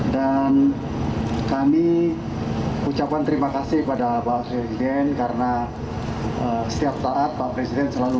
dan kami ucapkan terima kasih kepada pak presiden karena setiap saat pak presiden selalu berkata